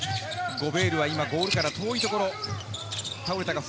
ゴベールは今、ゴールから遠いところ。